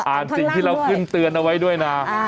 สิ่งที่เราขึ้นเตือนเอาไว้ด้วยนะ